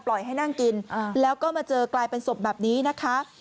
ให้นั่งกินแล้วก็มาเจอกลายเป็นศพแบบนี้นะคะ